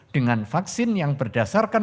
dengan vaksin yang berdasarkan